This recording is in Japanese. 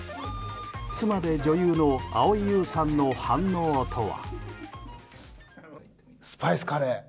妻で女優の蒼井優さんの反応とは。